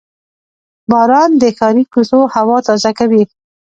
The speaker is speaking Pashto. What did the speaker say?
• باران د ښاري کوڅو هوا تازه کوي.